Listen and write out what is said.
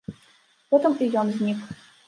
Потым і ён знік.